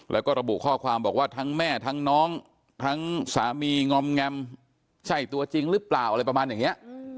แล้วก็ระบุข้อความบอกว่าทั้งแม่ทั้งน้องทั้งสามีงอมแงมใช่ตัวจริงหรือเปล่าอะไรประมาณอย่างนี้